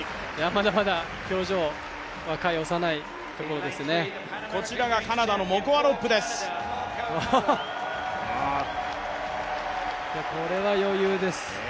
まだまだ表情、若い、幼いところですね。